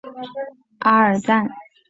阿尔赞。